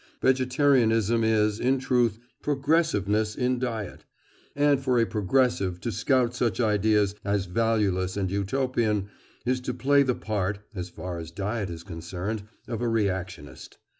Vegetarianism is, in truth, progressiveness in diet; and for a progressive to scout such ideas as valueless and Utopian is to play the part (as far as diet is concerned) of a reactionist.